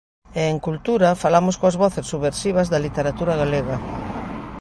E en Cultura, falamos coas voces subversivas da literatura galega.